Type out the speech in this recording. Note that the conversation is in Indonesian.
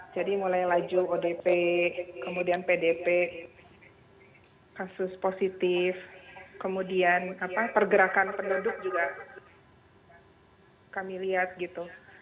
jadi mulai laju odp kemudian pdp kasus positif kemudian pergerakan penduduk juga kami lihat gitu